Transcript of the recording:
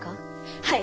はい！